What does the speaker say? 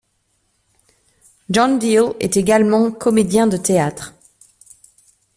John Diehl est également comédien de théâtre.